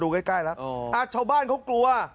ดูใกล้นะชาวบ้านเขากลัว